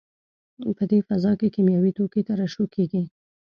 په دې فضا کې کیمیاوي توکي ترشح کېږي.